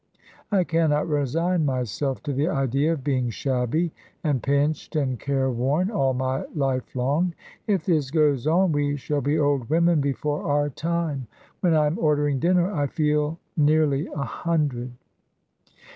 I cannot resign myself to the idea of being shabby and pinched and careworn all my life long. If this goes on we shall be old women before our time; when I am ordering dinner I feel nearly a hundred."